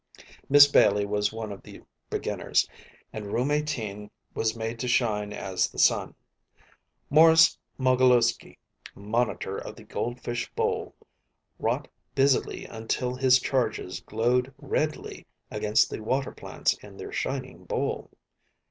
Miss Bailey was one of the beginners, and Room 18 was made to shine as the sun. Morris Mogilewsky, Monitor of the Gold Fish Bowl, wrought busily until his charges glowed redly against the water plants in their shining bowl.